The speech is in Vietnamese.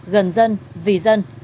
gần dân vì dân